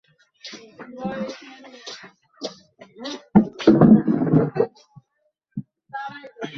দোকানদারেরা নিজেরা চাঁদা তুলে প্রতিদিন সড়ক পরিষ্কার করে দেন বলে দাবি করেন।